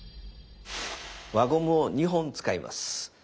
輪ゴムを２本使います。